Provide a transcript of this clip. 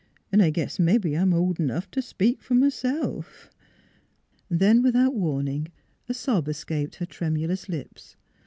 " 'N' I guess mebbe I'm old enough t' speak f'r m'self." Then, without warning, a sob escaped her tremulous lips.